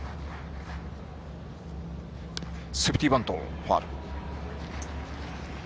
セーフティーバントファウル。